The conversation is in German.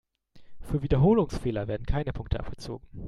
Für Wiederholungsfehler werden keine Punkte abgezogen.